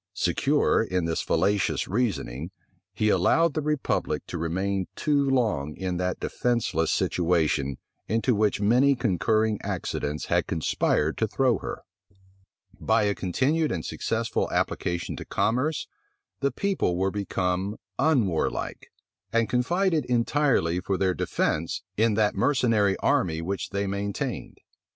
Secure in this fallacious reasoning, he allowed the republic to remain too long in that defenceless situation into which many concurring accidents had conspired to throw her. By a continued and successful application to commerce, the people were become unwarlike, and confided entirely for their defence in that mercenary army which they maintained.